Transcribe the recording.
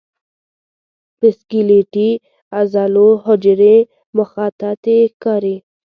د سکلیټي عضلو حجرې مخططې ښکاري.